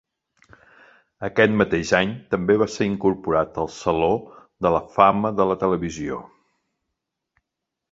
Aquest mateix any, també va ser incorporat al Saló de la Fama de la Televisió.